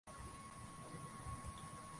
Sijatoka hapa tangu jana asubuhi